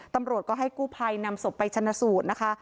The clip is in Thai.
ตำรวจก็ให้กู้ภัยนำศพไปชนะสูตรนะคะ